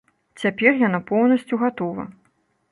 Цяпер яна поўнасцю гатова.